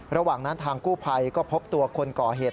ระหว่างนั้นทางกู้ภัยก็พบตัวคนก่อเหตุ